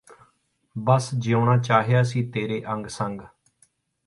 ਬੱਸ ਜਿਊਣਾ ਚਾਹਿਆ ਸੀ ਤੇਰੇ ਅੰਗ ਸੰਗ